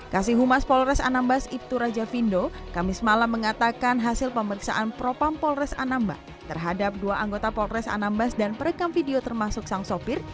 kasih humas polres anambas ibtu raja vindo kamis malam mengatakan hasil pemeriksaan propam polres anambas terhadap dua anggota polres anambas dan perekam video termasuk sang sopir